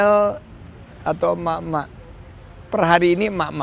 millenial atau mama perhari ini mama